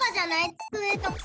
つくえとか。